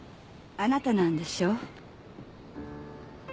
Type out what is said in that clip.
あなたなんでしょ？